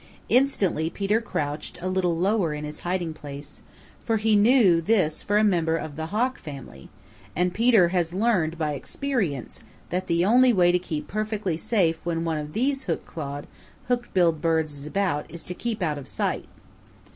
Instantly Peter crouched a little lower in his hiding place, for he knew this for a member of the Hawk family and Peter has learned by experience that the only way to keep perfectly safe when one of these hook clawed, hook billed birds is about is to keep out of sight.